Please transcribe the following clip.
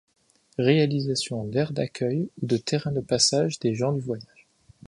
Réalisation d'aire d'accueil ou de terrains de passage des gens du voyage.